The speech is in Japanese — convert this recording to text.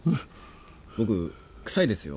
僕臭いですよ。